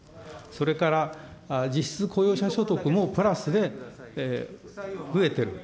それから実質雇用者所得もプラスで増えてる。